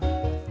ndar tadi di